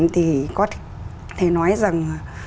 thì có thể nói rằng